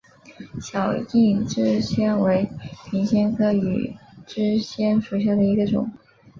小硬枝藓为平藓科羽枝藓属下的一个种。